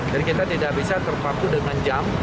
jadi kita tidak bisa terpaku dengan jam